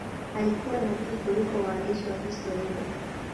Alikuwa nabii kuliko mwandishi wa historia.